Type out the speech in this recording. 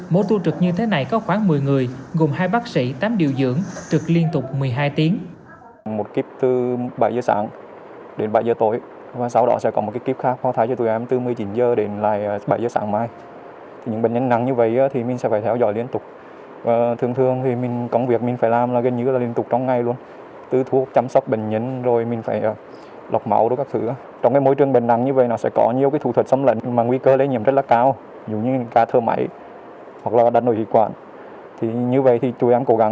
mỗi tu trực như thế này có khoảng một mươi người gồm hai bác sĩ tám điều dưỡng trực liên tục một mươi hai tiếng